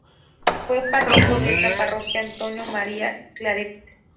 Fue párroco de esta parroquia Antonio María Claret